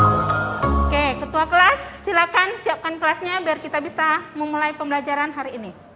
oke ketua kelas silakan siapkan kelasnya biar kita bisa memulai pembelajaran hari ini